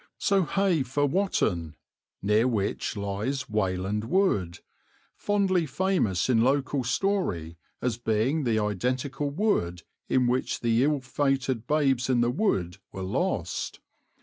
So hey for Watton, near which lies Weyland Wood, fondly famous in local story as being the identical wood in which the ill fated babes in the wood were lost.